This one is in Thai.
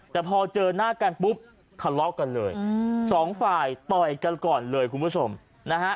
แต่พอเจอหน้ากันปุ๊บทะเลาะกันเลยสองฝ่ายต่อยกันก่อนเลยคุณผู้ชมนะฮะ